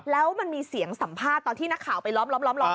แล้วมันมีเสียงสัมภาษณ์ตอนที่นักข่าวไปล้อม